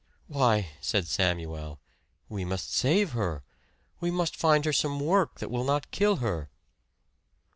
"Why," said Samuel, "we must save her. We must find her some work that will not kill her."